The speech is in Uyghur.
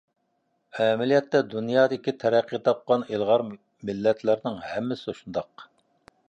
ئەمەلىيەتتە، دۇنيادىكى تەرەققىي تاپقان ئىلغار مىللەتلەرنىڭ ھەممىسى شۇنداق.